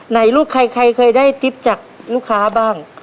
ไหนรู้ใครเคยได้ทริปจากลูกค้าบ้าง